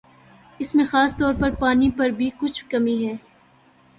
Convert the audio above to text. اس میں خاص طور پر پانی پر بھی کچھ کمی ہے